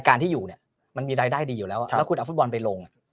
การที่อยู่มันมีรายได้ดีอยู่แล้วแล้วถ้าคุณเอาไปลง